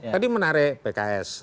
tadi menarik pks